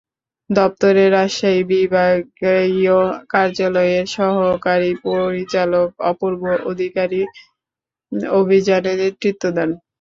দপ্তরের রাজশাহী বিভাগীয় কার্যালয়ের সহকারী পরিচালক অপূর্ব অধিকারী অভিযানে নেতৃত্ব দেন।